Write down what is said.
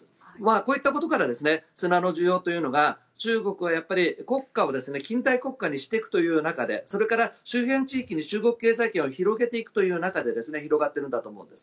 こういったことから砂の需要が中国は国家を近代国家にしていくというの中でそれから、周辺地域に中国経済圏を広げていくという中で広がっているんだと思うんです。